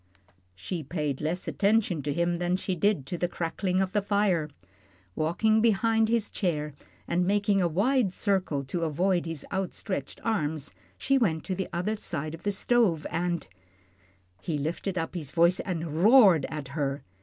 She paid less attention to him than she did to the crackling of the fire. Walking behind his chair, and making a wide circle to avoid his outstretched arms, she went to the other side of the stove and He lifted up his voice and roared at her.